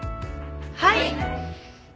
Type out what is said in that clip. はい。